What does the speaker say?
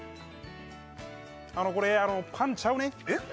あのこれあのパンちゃうねえっ？